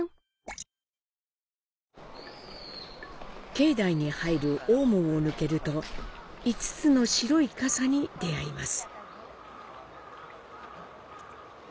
境内に入る大門を抜けると５つの白い傘に出会います。